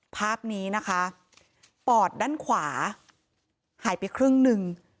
ภาพนี้นะคะปอดด้านขวาหายไปครึ่งหนึ่ง